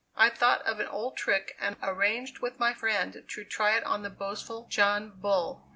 I thought of an old trick and arranged with my friend to try it on the boastful John Bull.